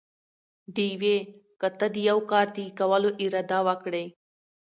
ډېوې!! که ته دې يوه کار د کولو اراده وکړي؟